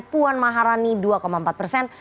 puan maharani dua empat persen